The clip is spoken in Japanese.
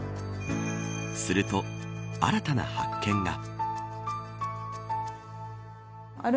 すると、新たな発見が。